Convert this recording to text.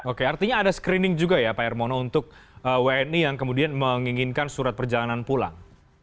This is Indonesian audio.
oke artinya ada screening juga ya pak hermono untuk wni yang kemudian menginginkan surat perjalanan pulang